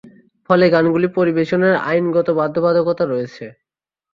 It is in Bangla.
ফলে গানগুলি পরিবেশনের আইনত বাধ্যবাধকতা রয়েছে।